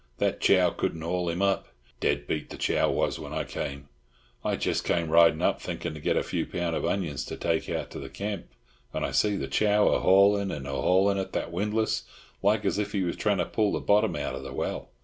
That Chow couldn't haul him up. Dead beat the Chow was when I came. I jis' come ridin' up, thinkin' to get a few pound of onions to take out to the camp, and I see the Chow a haulin' and a haulin' at that windlass like as if he was tryin' to pull the bottom out of the well.